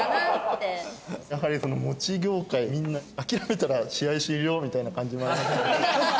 やはりもち業界みんな諦めたら試合終了みたいな感じがありますので。